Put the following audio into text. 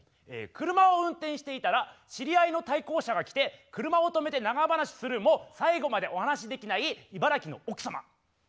車を運転していたら知り合いの対向車が来て車を止めて長話するも最後までお話しできない茨城の奥様。